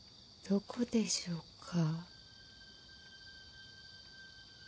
・どこでしょうか。